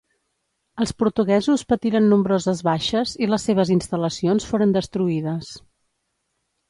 Els portuguesos patiren nombroses baixes i les seves instal·lacions foren destruïdes.